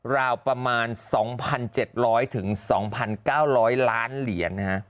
ราวประมาณ๒๗๐๐๒๙๐๐ล้านเหรียญ